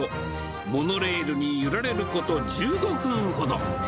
モノレールに揺られること１５分ほど。